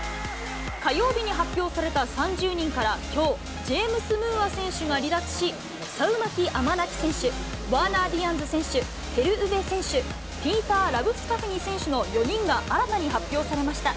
火曜日に発表された３０人からきょう、ジェームス・ムーア選手が離脱し、サウマキアマナキ選手、ワーナー・ディアンズ選手、ヘルウヴェ選手、ピーター・ラブスカフニ選手の４人が新たに発表されました。